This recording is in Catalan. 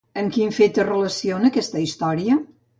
Amb quin fet es relaciona aquesta història?